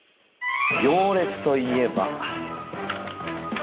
行列といえば。